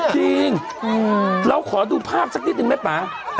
จริงเราขอดูภาพสักนิดนึงไหมป่า